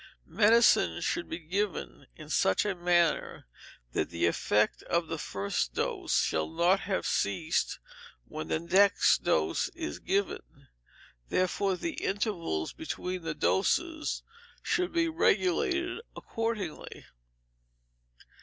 Medicines should be given in such a manner that the effect of the first dose shall not have ceased when the next dose is given, therefore the intervals between the doses should be regulated accordingly.